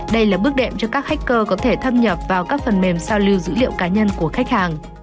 đây là bước đệm cho các hacker có thể thâm nhập vào các phần mềm sao lưu dữ liệu cá nhân của khách hàng